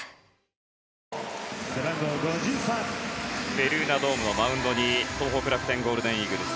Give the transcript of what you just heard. ベルーナドームのマウンドに東北楽天ゴールデンイーグルス